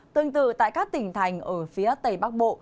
tương tự tại các tỉnh thành ở phía tây bắc bộ